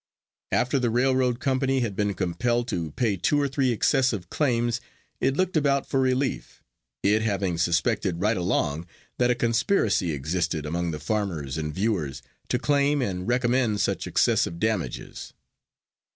After the railroad company had been compelled to pay two or three excessive claims, it looked about for relief, it having suspected right along that a conspiracy existed among the farmers and viewers to claim and recommend such excessive damages.